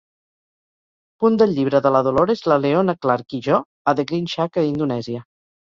Punt del llibre de la Dolores, la Leona Clark i jo a The Green Shack a Indonesia